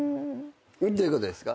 どういうことですか？